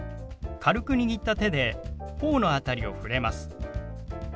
軽く握った手で頬の辺りを触れます。